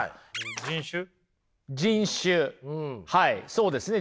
そうですね。